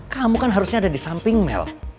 kamu kan harusnya ada di samping mel